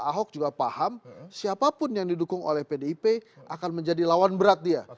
ahok juga paham siapapun yang didukung oleh pdip akan menjadi lawan berat dia